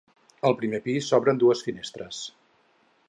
Al primer pis s'obren dues finestres.